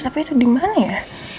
tapi itu dimana ya